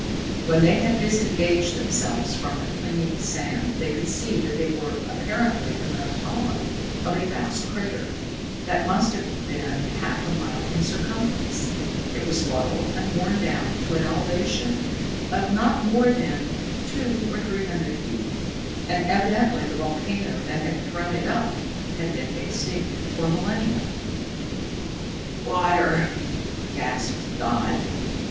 When they had disengaged themselves from the clinging sand they could see that they were apparently in the hollow of a vast crater, that must have been half a mile in circumference. It was low and worn down to an elevation of not more than two or three hundred feet, and evidently the volcano that had thrown it up had been extinct for millennia. "Water!" gasped Dodd.